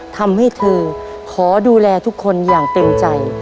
ทำให้เธอขอดูแลทุกคนอย่างเต็มใจ